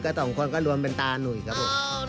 ก็สองคนก็รวมเป็นตาหนุ่ยครับผม